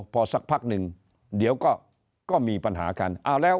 พอสักพักหนึ่งเดี๋ยวก็มีปัญหากัน